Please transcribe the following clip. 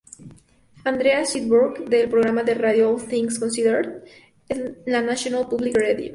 Andrea Seabrook, del programa de radio "All Things Considered", en la National Public Radio.